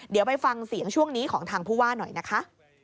เดี๋ยวไปฟังเสียงช่วงนี้ของทางผู้ว่าหน่อยนะคะ